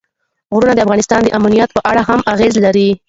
غرونه د افغانستان د امنیت په اړه هم اغېز لري.